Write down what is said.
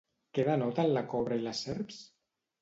Què denoten la cobra i les serps?